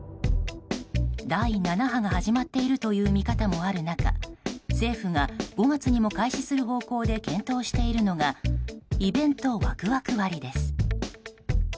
第７波が始まっているという見方もある中政府が５月にも開始する方向で検討しているのがイベントワクワク割です。